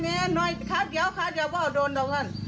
มันพ่อใจักรหรือทำแบบพ่อกัน